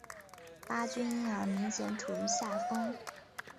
巴军因而明显处于下风。